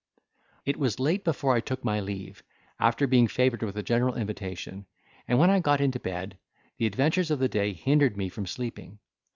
It was late before I took my leave, after being favoured with a general invitation; and, when I got into bed, the adventures of the day hindered me from sleeping.